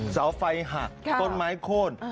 เสาไฟหักต้นไม้โค้น